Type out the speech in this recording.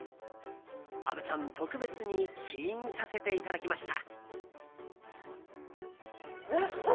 虻ちゃん、特別に試飲させていただきました。